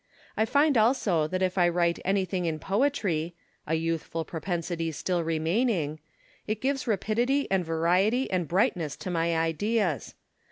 I find also that if I Avrite anything in poetry (a youthful propensity still remaining), it gives rapidity and variety and brightness to my ideas.